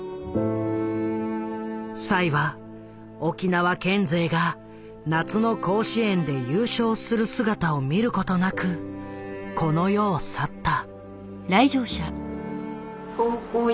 栽は沖縄県勢が夏の甲子園で優勝する姿を見ることなくこの世を去った。